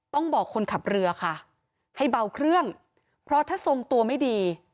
ต้องบอกคนขับเรือค่ะให้เบาเครื่องเพราะถ้าทรงตัวไม่ดี